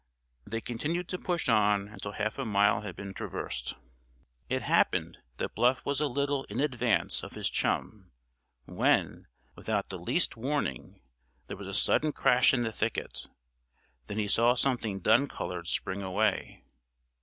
They continued to push on until half a mile had been traversed. It happened that Bluff was a little in advance of his chum, when, without the least warning, there was a sudden crash in the thicket. Then he saw something dun colored spring away.